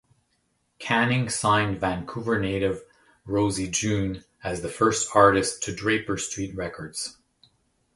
Canning signed Vancouver native Rosie June as the first artist to Draper Street Records.